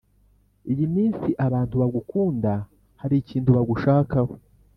iyi minsi abantu bagukunda hari ikintu bagushakaho